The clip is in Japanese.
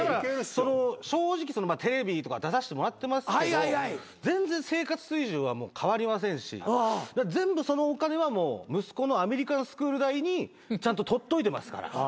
正直テレビとか出させてもらってますけど全然生活水準は変わりませんし全部そのお金はもう息子のアメリカンスクール代にちゃんと取っといてますから。